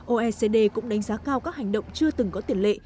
oecd cũng đánh giá cao các hành động chưa từng có tiền lệ